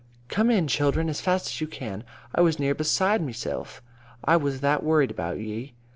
"Come in, children, as fast as you can. I was near beside mesilf, I was that worried about ye."